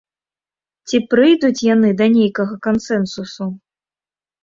Ці прыйдуць яны да нейкага кансэнсусу?